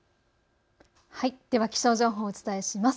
気象情報をお伝えします。